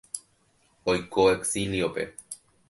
Oiko exiliope.